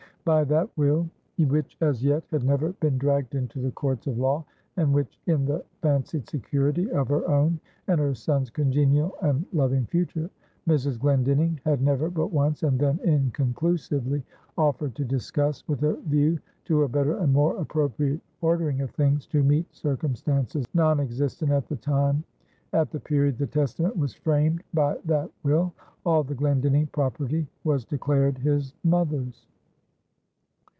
By that will which as yet had never been dragged into the courts of law; and which, in the fancied security of her own and her son's congenial and loving future, Mrs. Glendinning had never but once, and then inconclusively, offered to discuss, with a view to a better and more appropriate ordering of things to meet circumstances non existent at the period the testament was framed; by that will, all the Glendinning property was declared his mother's.